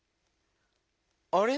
あれ？